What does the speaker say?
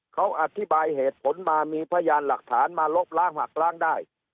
เขาอธิบายเหตุผลมามีพยานหลักฐานมาลบล้างหักล้างได้